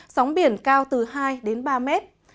sóng biển cao từ hai đến ba mét